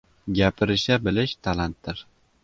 Gapirisha bilish talantdir.